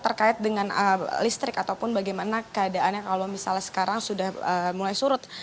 terkait dengan listrik ataupun bagaimana keadaannya kalau misalnya sekarang sudah mulai surut